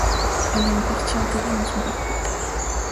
Elle est en partie enterrée dans son parcours.